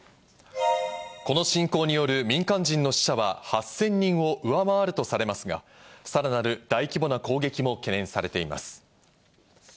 この侵攻による民間人の死者は８０００人を上回るとされますが、さらなる大規模な攻撃も懸念されています。